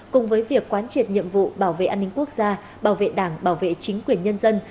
cùng với việc quán triệt nhiệm vụ bảo vệ an ninh quốc gia bảo vệ đảng bảo vệ chính quyền nhân dân